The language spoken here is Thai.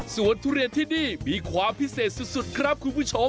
ส่วนทุเรียนที่นี่มีความพิเศษสุดครับคุณผู้ชม